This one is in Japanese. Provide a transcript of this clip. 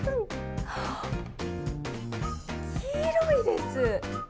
黄色いです。